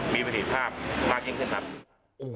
มีปฏิภาพมากยิ่งขึ้นครับ